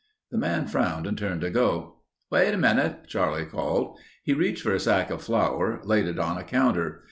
The man frowned and turned to go. "Wait a minute," Charlie called. He reached for a sack of flour, laid it on a counter.